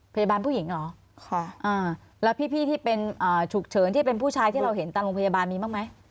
พยาบาลผู้หญิงเหรอค่ะอ่าแล้วพี่ที่เป็นฉุกเฉินที่เป็นผู้ชายที่เราเห็นตามโรงพยาบาลมีบ้างไหม